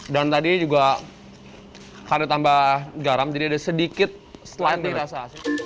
dan tadi juga karena tambah garam jadi ada sedikit slant di rasa